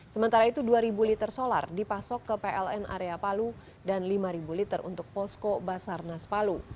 sementara itu dua liter solar dipasok ke pln area palu dan lima liter untuk posko basarnas palu